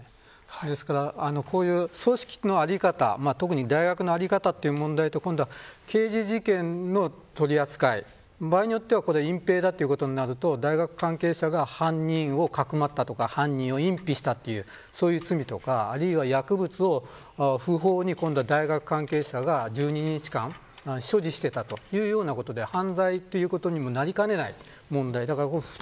ですから組織の在り方特に大学の在り方という問題と刑事事件の取り扱い場合によっては隠蔽ということになると、大学関係者が犯人をかくまったとか犯人を隠蔽したという罪とかあるいは薬物を不法に大学関係者が１２日間所持していたということで犯罪ということになりかねない問題２